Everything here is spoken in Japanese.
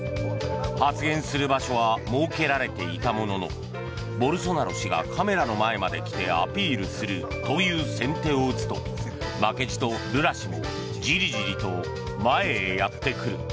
発言する場所は設けられていたもののボルソナロ氏がカメラの前にまで来てアピールするという先手を打つと負けじとルラ氏もじりじりと前へやってくる。